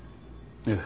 ええ。